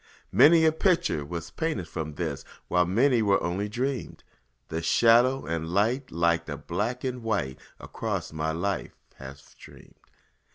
Many a picture was painted from this, While many were only dreamed; And shadow and light like the black and white Across my life have streamed.